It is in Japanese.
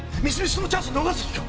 そのチャンスを逃す気か？